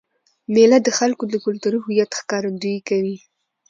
مېله د خلکو د کلتوري هویت ښکارندويي کوي.